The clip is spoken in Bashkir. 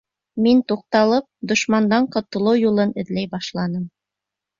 Мин туҡталып, дошмандан ҡотолоу юлын эҙләй башланым.